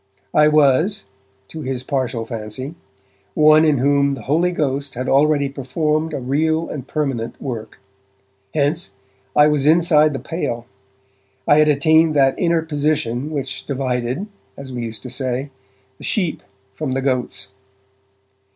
I was, to his partial fancy, one in whom the Holy Ghost had already performed a real and permanent work. Hence, I was inside the pale; I had attained that inner position which divided, as we used to say, the Sheep from the Goats.